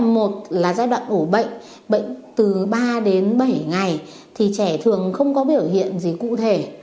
giai đoạn một là giai đoạn ủ bệnh bệnh từ ba đến bảy ngày thì trẻ thường không có biểu hiện gì cụ thể